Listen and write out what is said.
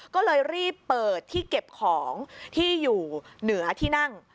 ก็เลยรีบเปิดที่เก็บของที่อยู่เหนือที่นั่ง